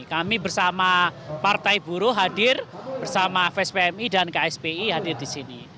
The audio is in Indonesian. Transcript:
kami bersama partai buruh hadir bersama fspmi dan kspi hadir di sini